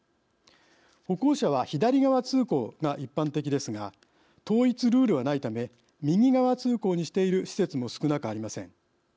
歩行者は左側通行が一般的ですが統一ルールはないため右側通行にしている施設も少なくありません。